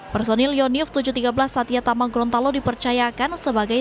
personil yonif tujuh ratus tiga belas satya tama gorontalo dipercayakan sebagai